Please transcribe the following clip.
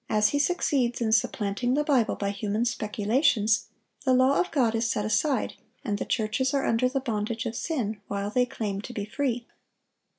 As he succeeds in supplanting the Bible by human speculations, the law of God is set aside, and the churches are under the bondage of sin while they claim to be free.